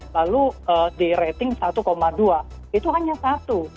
lalu di rating satu dua itu hanya satu